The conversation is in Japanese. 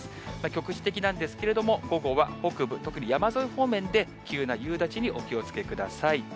局地的なんですけれども、午後は北部、特に山沿い方面で、急な夕立にお気をつけください。